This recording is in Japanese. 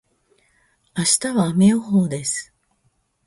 明日は雨予報です。